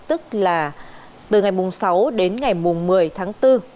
tức là từ ngày mùng sáu đến ngày một mươi tháng bốn